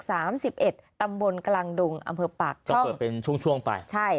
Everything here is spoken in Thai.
สามสิบเอ็ดตำบลกลางดงอำเภอปักจะเปิดเป็นช่วงช่วงไปใช่